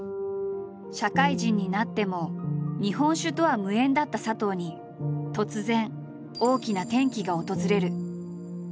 社会人になっても日本酒とは無縁だった佐藤に突然大きな転機が訪れる。